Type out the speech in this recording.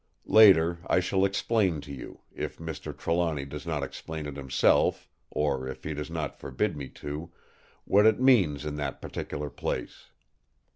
"Later, I shall explain to you, if Mr. Trelawny does not explain it himself, or if he does not forbid me to, what it means in that particular place.